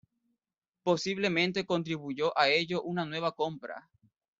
Posiblemente contribuyó a ello una nueva compra.